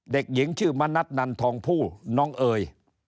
เด็กหญิงชื่อมณัฐนันทองผู้น้องเอ๋ย